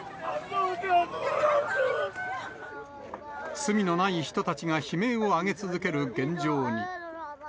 罪のない人たちが悲鳴を上げ続ける現状に。